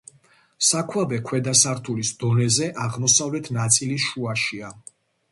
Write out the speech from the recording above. საქვაბე ქვედა სართულის დონეზე, აღმოსავლეთ ნაწილის შუაშია.